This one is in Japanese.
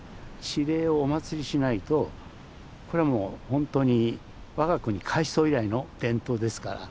地霊をお祀りしないとこれはもう本当に我が国開創以来の伝統ですから。